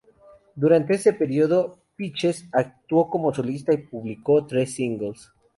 Durante este periodo, Peaches actuó como solista y publicó tres singles.